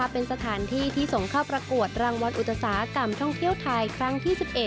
เป็นสถานที่ที่ส่งเข้าประกวดรางวัลอุตสาหกรรมท่องเที่ยวไทยครั้งที่๑๑